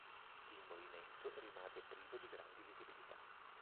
Il movimento rimase privo di grandi visibilità.